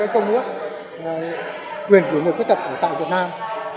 công ước quyền của người khuyết tật ở tại việt nam